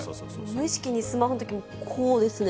無意識にスマホのとき、こうですね。